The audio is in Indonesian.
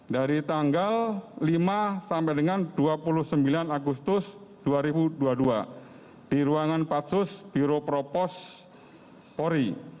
dari tanggal lima sampai dengan dua puluh sembilan agustus dua ribu dua puluh dua di ruangan patsus biro propos polri